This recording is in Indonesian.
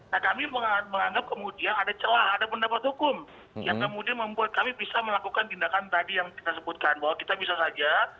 nah kami menganggap kemudian ada celah ada pendapat hukum yang kemudian membuat kami bisa melakukan tindakan tadi yang kita sebutkan bahwa kita bisa saja